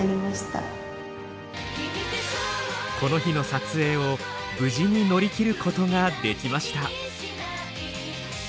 この日の撮影を無事に乗り切ることができました。